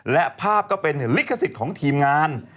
และภาพก็เป็นลิขสิทธิ์ของทีมงาน